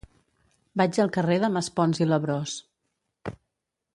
Vaig al carrer de Maspons i Labrós.